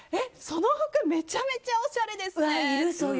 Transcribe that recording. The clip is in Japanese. その服、めちゃくちゃおしゃれですね。